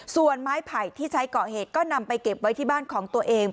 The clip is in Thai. ส่วนไม้ไผ่ที่ใช้ก่อเหตุก็นำไปเก็บไว้ที่บ้านของตัวเอง